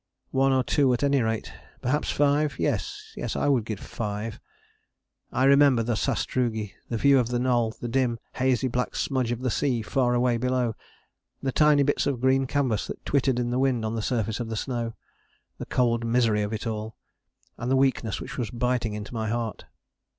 One or two at any rate perhaps five? Yes I would give five. I remember the sastrugi, the view of the Knoll, the dim hazy black smudge of the sea far away below: the tiny bits of green canvas that twittered in the wind on the surface of the snow: the cold misery of it all, and the weakness which was biting into my heart.